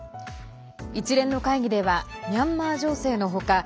一連の会議ではミャンマー情勢の他